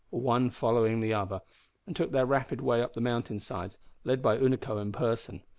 one following the other and took their rapid way up the mountain sides, led by Unaco in person.